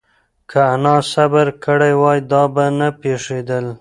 که انا صبر کړی وای، دا به نه پېښېدل.